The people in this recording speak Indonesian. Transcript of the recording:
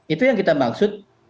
itu yang kita maksud